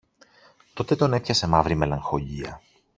Τότε τον έπιασε μαύρη μελαγχολία.